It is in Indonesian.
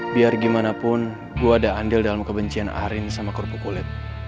biar gimana pun gue ada andil dalam kebencian arin sama kerupuk kulit